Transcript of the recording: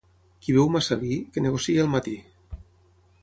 Qui beu massa vi, que negociï al matí.